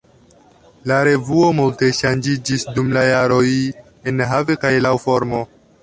La revuo multe ŝanĝiĝis dum la jaroj enhave kaj laŭ formo.